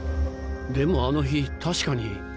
でもあの日確かに。